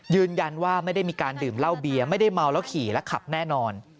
ยืนยันว่าไม่ได้มีการดื่มเหล้าเบียร์ไม่ได้เมาแล้วขี่และขับแน่นอน